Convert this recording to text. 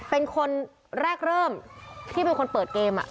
เป็นคนแรกเริ่มที่เป็นคนเปิดเกม